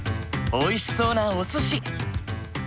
おいしそうなおすし。